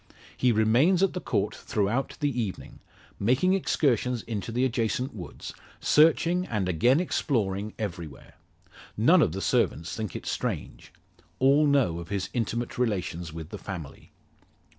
He remains at the Court throughout the evening, making excursions into the adjacent woods, searching, and again exploring everywhere. None of the servants think it strange; all know of his intimate relations with the family.